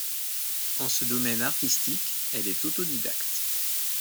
En ce domaine artistique, elle est autodidacte.